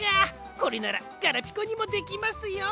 これならガラピコにもできますよ！